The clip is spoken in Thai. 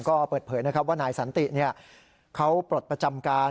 ก็เปิดเผยนะครับว่านายสันติเขาปลดประจำการ